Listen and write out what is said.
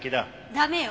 駄目よ